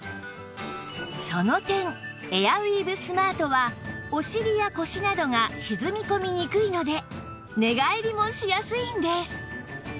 その点エアウィーヴスマートはお尻や腰などが沈み込みにくいので寝返りもしやすいんです